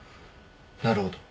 なるほど。